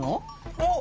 おっ。